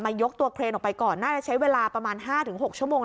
ยกตัวเครนออกไปก่อนน่าจะใช้เวลาประมาณ๕๖ชั่วโมง